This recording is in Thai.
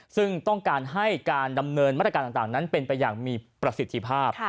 ซึ่งต้องการให้การดำเนินมาตรการต่างนั้นเป็นไปอย่างมีประสิทธิภาพ